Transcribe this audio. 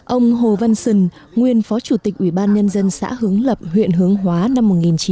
ông hồ văn sừng nguyên phó chủ tịch ủy ban nhân dân xã hướng lập huyện hướng hóa năm một nghìn chín trăm bảy mươi